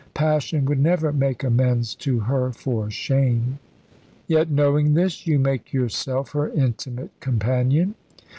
Passion would never make amends to her for shame." "Yet, knowing this, you make yourself her intimate companion!"